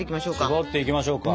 しぼっていきましょうか。